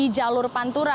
di jalur pantura